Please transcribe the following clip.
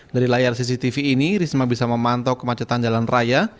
dari layar cctv ini risma bisa memantau kemacetan jalan raya